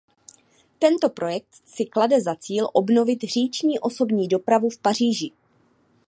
Tento projekt si klade za cíl obnovit říční osobní dopravu v Paříži.